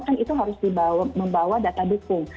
kan itu harus membawa data dukung